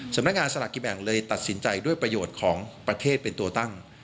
สำนักงานสลากกินแบ่งเลยตัดสินใจด้วยประโยชน์ของประเทศเป็นตัวตั้ง